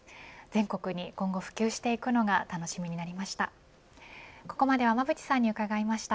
全国に今後、普及していくのが楽しみになりました。